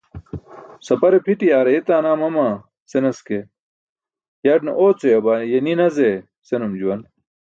"sapare pʰiṭi̇ aar ayetaa naa mama" senas ke "yarne oocuyabaa ye ni nazee" senum juwan.